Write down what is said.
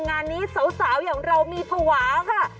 งานนี้สาวอย่างเรามีภาวะค่ะ